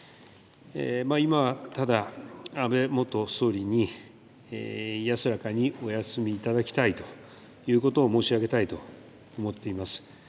今はただ、安倍元総理に安らかにお休みいただきたいということを申し上げたいと思っています。